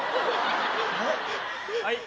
はい。